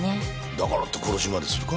だからって殺しまでするか？